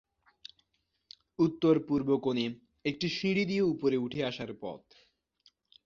উত্তর-পূর্ব কোণে একটি সিঁড়ি দিয়ে উপরে উঠে আসার পথ।